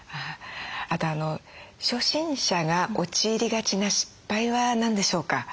あと初心者が陥りがちな失敗は何でしょうか？